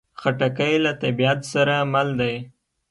خټکی له طبیعت سره مل دی.